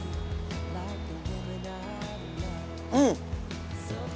うん！